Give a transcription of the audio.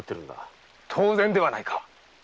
当然ではないか！